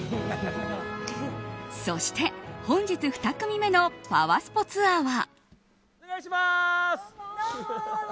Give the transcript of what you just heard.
そして本日２組目のパワスポツアーは。